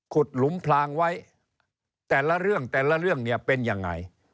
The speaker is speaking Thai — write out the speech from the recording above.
หลุมพลางไว้แต่ละเรื่องแต่ละเรื่องเนี่ยเป็นยังไง